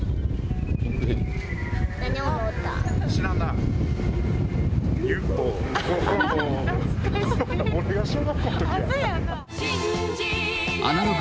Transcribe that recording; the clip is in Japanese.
知らんなあ。